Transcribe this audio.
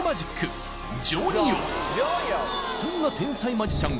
そんな天才マジシャン